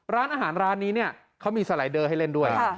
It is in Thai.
ร้านอาหารร้านนี้เนี่ยเขามีสไลเดอร์ให้เล่นด้วย